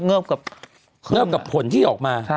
เงิบกับผลที่ออกมา